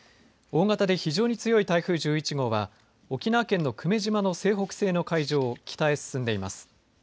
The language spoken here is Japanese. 大型で非常に強い台風１１号は沖縄県の久米島の西北西の海上を北へ進んでいます。